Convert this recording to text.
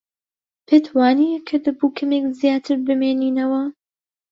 پێت وانییە کە دەبوو کەمێک زیاتر بمێنینەوە؟